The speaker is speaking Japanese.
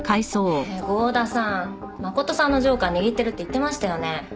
ねえ郷田さん真琴さんのジョーカー握ってるって言ってましたよね？